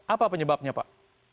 apa penyebabnya pak